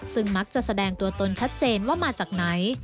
ซึ่งมักจะแสดงตัวตนชัดเจนว่ามาจากไหน